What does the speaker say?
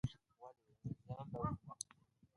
چرګان له دانې، واښو، حشراتو او کوچنيو تیلو تغذیه کوي.